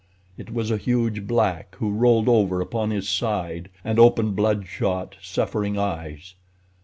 It was a huge black who rolled over upon his side and opened blood shot, suffering eyes.